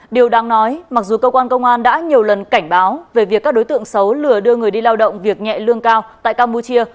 điều đang nói mặc dù cơ quan công an đã nhiều lần cảnh báo về việc các đối tượng xấu lừa đưa người đi lao động việc nhẹ lương cao tại campuchia